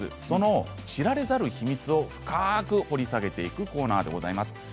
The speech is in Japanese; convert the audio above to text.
その知られざる秘密を深く掘り下げていくコーナーでございます。